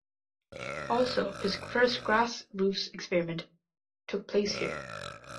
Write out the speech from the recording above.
Also his first grass roofs experiment took place here.